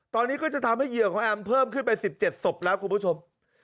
ตอนนี้ก็จะทำให้เหยื่อของแอมเพิ่มขึ้นไป๑๗ศพแล้วคุณผู้ชม